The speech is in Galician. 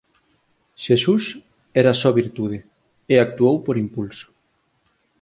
Xesús era só virtude, e actuou por impulso.